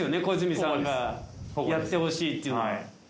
小泉さんがやってほしいっていうのは。